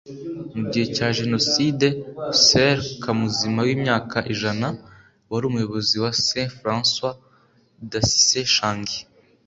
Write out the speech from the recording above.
mu gihe cya jenoside, soeur kamuzima w' imyaka ijana wari umuyobozi wa st françois d'assise shangi